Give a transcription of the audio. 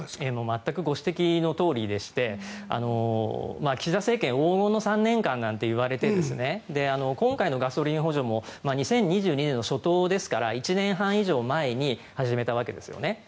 全くご指摘のとおりでして岸田政権、黄金の３年間といわれて今回のガソリン補助も２０２２年の初頭ですから１年半以上前に始めたわけですよね。